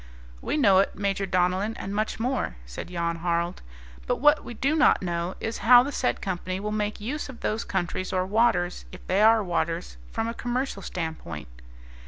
"We know it, Major Donellan, and much more," said Jan Harald. "But what we do not know is how the said company will make use of those countries or waters, if they are waters, from a commercial standpoint."